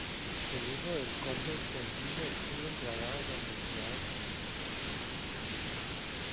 Hijo del conde de Tendilla, estudió en Granada y en la Universidad de Salamanca.